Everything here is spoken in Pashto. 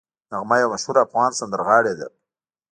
نغمه یوه مشهوره افغان سندرغاړې ده